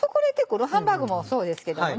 ハンバーグもそうですけどもね。